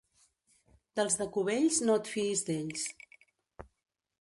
Dels de Cubells, no et fiïs d'ells.